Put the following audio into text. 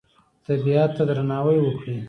طبیعت ته درناوی وکړئ